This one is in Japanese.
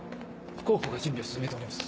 広報が準備を進めております。